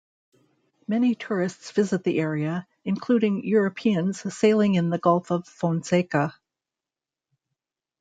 Many tourists visit the area, including Europeans sailing in the Gulf of Fonseca.